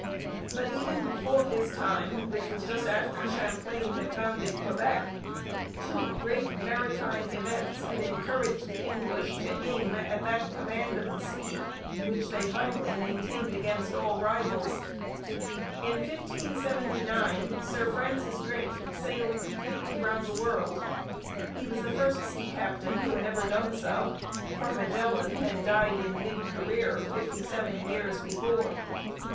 But even before his time, which was just after Champlain had founded Quebec, two great maritime events had encouraged the English to aim at that command of the sea which they finally maintained against all rivals. In 1579 Sir Francis Drake sailed completely round the world. He was the first sea captain who had ever done so, for Magellan had died in mid career fifty seven years before.